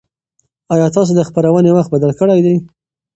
ایا تاسي د خپرونې وخت بدل کړی دی؟